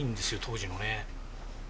当時のね。